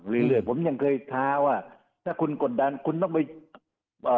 เรื่อยเรื่อยผมยังเคยท้าว่าถ้าคุณกดดันคุณต้องไปเอ่อ